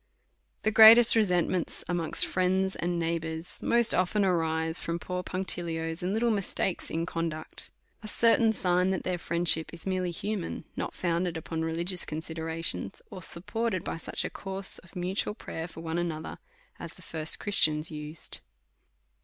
The greatest resentments amongst friends and neighbours most often arise from poor punctilios and little mistakes in conduct. A certain sign that their friendship is merely human, not founded upon religi ous considerations, or supported by such a course of mutual prayer for one another, as the first Christians used.